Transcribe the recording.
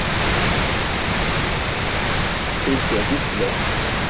kʰuulto adit bila.